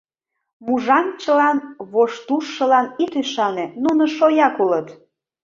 Мужаҥчылан, воштужшылан ит ӱшане... нуно шояк улыт...